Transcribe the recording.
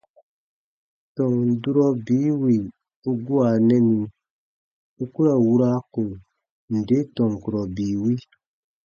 Tɔn durɔ bii wì u gua nɛni u ku ra wura ko nde tɔn kurɔ bii wi.